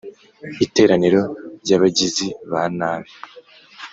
Iteraniro ry’abagizi ba nabi